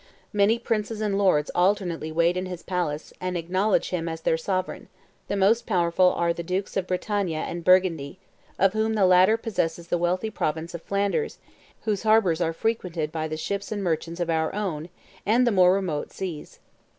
Many princes and lords alternately wait in his palace, and acknowledge him as their sovereign: the most powerful are the dukes of Bretagne and Burgundy; of whom the latter possesses the wealthy province of Flanders, whose harbors are frequented by the ships and merchants of our own, and the more remote, seas.